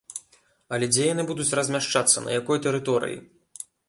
Але, дзе яны будуць размяшчацца, на якой тэрыторыі?